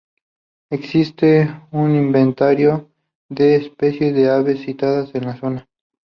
Existe un inventario de especies de aves citadas en la zona.